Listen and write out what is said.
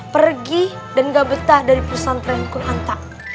pergi dan gak betah dari perusahaan perangkur hantar